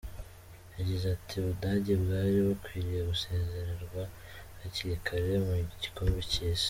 Yagize ati “Ubudage bwari bukwiriye gusezererwa hakiri kare mu gikombe cy’isi.